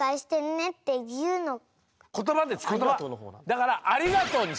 だからありがとうにします。